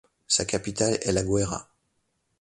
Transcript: Sa capitale est La Guaira.